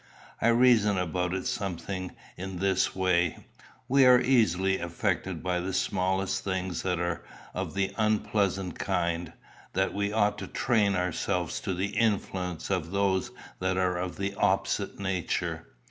I reason about it something in this way: We are so easily affected by the smallest things that are of the unpleasant kind, that we ought to train ourselves to the influence of those that are of an opposite nature.